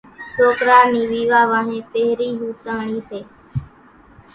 سوڪرا نِي ويوا وانھين پھرين ھوتاۿڻي سي۔